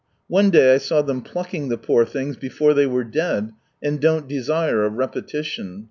One day I saw them plucking the poor things before they were dead, and don't desire a repetition.